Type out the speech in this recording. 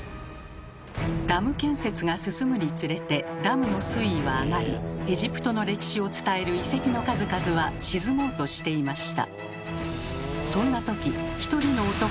ダム建設が進むにつれてダムの水位は上がりエジプトの歴史を伝える遺跡の数々は沈もうとしていました。